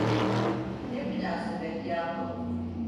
Ne münasebet yahu!